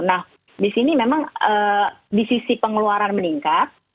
nah di sini memang di sisi pengeluaran meningkat